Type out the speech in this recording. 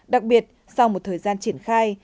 đặc biệt sau một thời gian triển khai